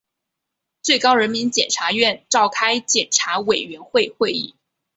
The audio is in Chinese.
最高人民检察院召开检察委员会会议